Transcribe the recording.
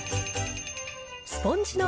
スポンジの味